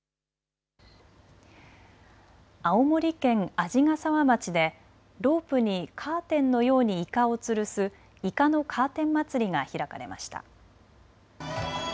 青森県鰺ヶ沢町でロープにカーテンのようにイカをつるすイカのカーテンまつりが開かれました。